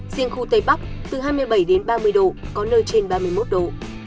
riêng khu tây bắc từ hai mươi bảy đến ba mươi độ có nơi trên ba mươi một độ